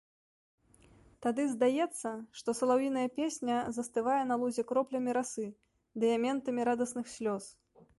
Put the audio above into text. Тады здаецца, што салаўіная песня застывае на лузе кроплямі расы, дыяментамі радасных слёз.